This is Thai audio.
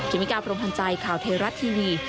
คิมิกราบพรมพันธ์ใจข่าวเทรัฐทีวี